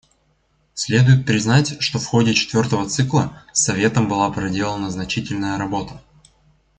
Следует признать, что в ходе четвертого цикла Советом была проделана значительная работа.